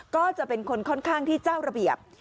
ก็จะเป็นคนค่อนข้างที่เจ้าระเบียบ